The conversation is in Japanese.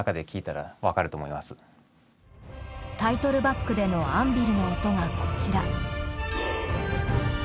タイトルバックでのアンビルの音がこちら。